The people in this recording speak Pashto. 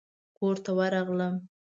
کورته ورغلم.